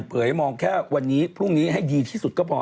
ให้มองแค่วันนี้พรุ่งนี้ให้ดีที่สุดก็พอ